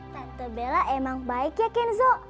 tante bella emang baik ya kenzo